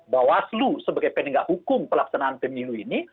bahwa selu sebagai pendengar hukum pelaksanaan pemilu ini